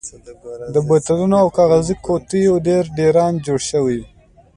د بوتلونو او کاغذي قوتیو یو ډېران جوړ شوی.